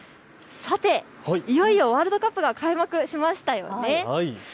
いよいよワールドカップが開幕しましたよね。